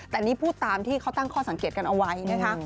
แต่นี่พูดตามที่เขาตั้งข้อสังเกตกันเอาไว้นะคะ